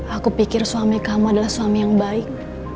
aku pikir suami kamu adalah suami yang baik